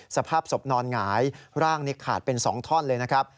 สภาพศพนอนหงายร่างนี่ขาดเป็น๒ท่อนเลยนะครับ